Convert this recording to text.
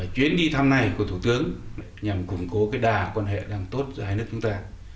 chuyến đi thăm này của thủ tướng nhằm củng cố đà quan hệ tốt giải nước chúng ta